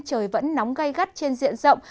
trời vẫn nóng gây gắt trên diện rộng